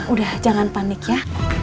udah jangan panik ya